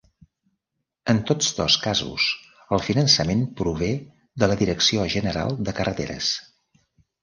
En tots dos casos, el finançament prové de la Direcció General de Carreteres.